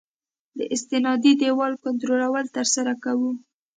د استنادي دیوال کنټرول ترسره کوو